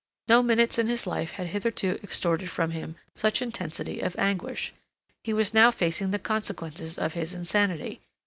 No minutes in his life had hitherto extorted from him such intensity of anguish. He was now facing the consequences of his insanity.